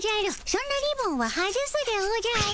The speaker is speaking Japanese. そんなリボンは外すでおじゃる。